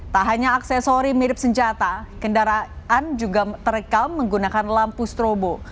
tak hanya aksesori mirip senjata kendaraan juga terekam menggunakan lampu strobo